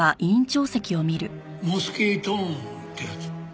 モスキートーンってやつ。